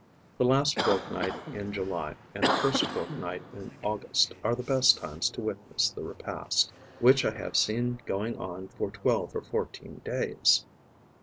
The last fortnight in July and the first fortnight in August are the best times to witness the repast, which I have seen going on for twelve and fourteen days.